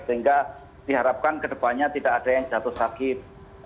sehingga diharapkan ke depannya tidak ada yang jatuh sakit